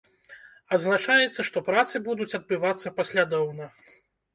Адзначаецца, што працы будуць адбывацца паслядоўна.